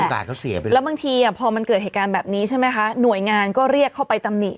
เสียไปแล้วบางทีพอมันเกิดเหตุการณ์แบบนี้ใช่ไหมคะหน่วยงานก็เรียกเข้าไปตำหนิ